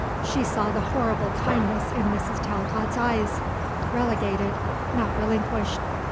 She saw the horrible kindness in Mrs. Talcott's eyes, relegated, not relinquished.